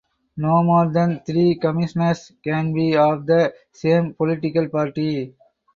No more than three Commissioners can be of the same political party.